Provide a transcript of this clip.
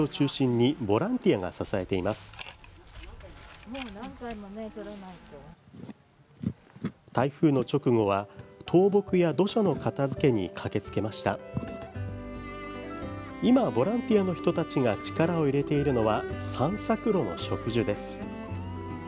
今、ボランティアの人たちが力を入れているのは散策路の植樹です。